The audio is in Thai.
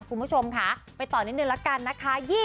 คุณผู้ชมค่ะไปต่อนิดนึงละกันนะคะ